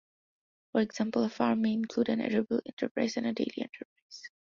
For example, a farm may include an arable enterprise and a dairy enterprise.